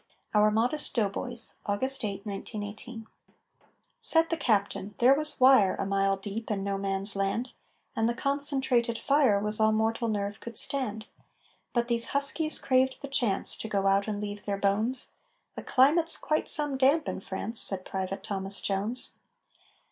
OUR MODEST DOUGHBOYS [August 8, 1918] Said the Captain: "There was wire A mile deep in No Man's Land, And the concentrated fire Was all mortal nerve could stand; But these huskies craved the chance To go out and leave their bones!" _"The climate's quite some damp in France," Said Private Thomas Jones.